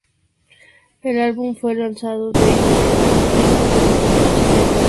El álbum fue lanzado de inmediato en plataformas streaming.